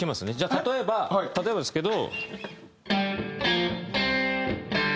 例えば例えばですけど。